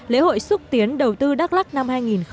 lễ hội xúc tiến đầu tư đắk lắc năm hai nghìn một mươi chín